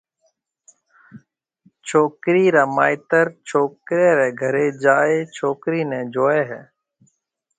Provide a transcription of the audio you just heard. ڇوڪري را مائيتر ڇوڪرِي ريَ گھري جائيَ ڇوڪرِي نيَ جوئي ھيَََ